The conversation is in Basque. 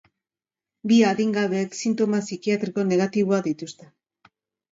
Bi adingabeek sintoma psikiatriko negatiboak dituzte.